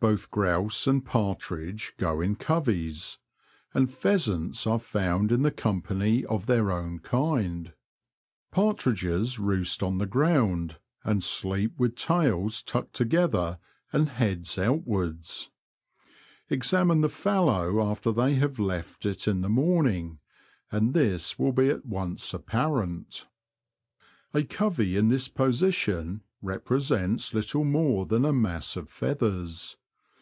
Both grouse and partridge go in coveys, and pheasants are found in the com pany of their own kind. Partridges roost on 48 The Confessions of a T^oacher, the ground, and sleep with tails tucked together and heads outwards. Examine the fallow after they have left it in a morning, and this will be at once apparent. A covey in this position represents little more than a mass of feathers.